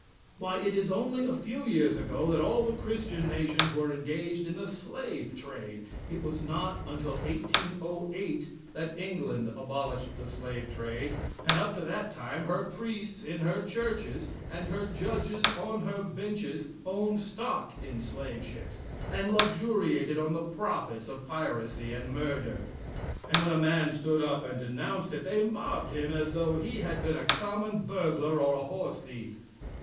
Why, it is only a few years ago that all the Christian nations were engaged in the slave trade. It was not until 1808, that England abolished the slave trade, and up to that time her priests in her churches, and her judges on her benches, owned stock in slave ships, and luxuriated on the profits of piracy and murder; and when a man stood up and denounced it, they mobbed him as though he had been a common burglar or a horse thief.